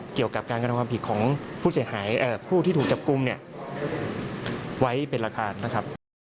เกี่ยวกับการกำหนดความผิดของผู้ที่ถูกจับกุมไว้เป็นราคานะครับ